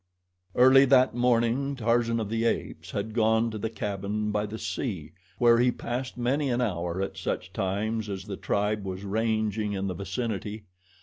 Early that morning, Tarzan of the Apes had gone to the cabin by the sea, where he passed many an hour at such times as the tribe was ranging in the vicinity.